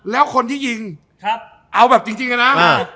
แล้วคนที่ยิงเอาแบบจริงนะ